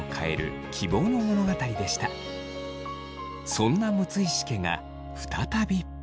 そんな六石家が再び。